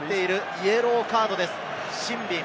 イエローカードです、シンビン。